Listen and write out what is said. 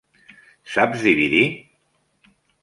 Saps dividir?